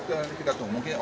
nanti kita tunggu